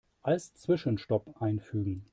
Als Zwischenstopp einfügen.